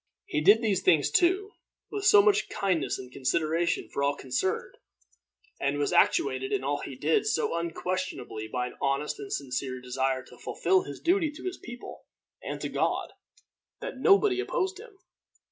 He did these things, too, with so much kindness and consideration for all concerned, and was actuated in all he did so unquestionably by an honest and sincere desire to fulfill his duty to his people and to God, that nobody opposed him.